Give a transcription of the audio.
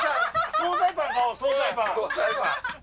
惣菜パン！